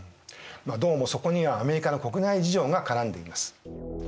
どうもそこにはアメリカの国内事情が絡んでいます。